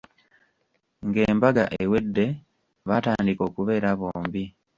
Ng'embaga ewedde baatandika okubeera bombi.